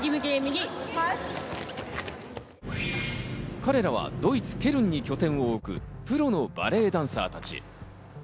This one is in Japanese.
彼らはドイツ・ケルンに拠点を置くプロのバレエダンサーたち。